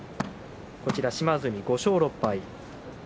島津海、５勝６敗。